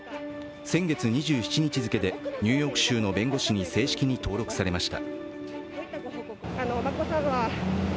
先月２７日付でニューヨーク州の弁護士に正式に登録されました。